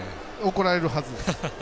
怒られるはずです。